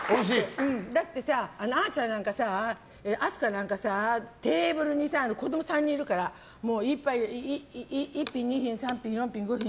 だってさ、あーちゃんなんか明日香なんかさテーブルにさ、子供３人いるから１品、２品、３品、４品。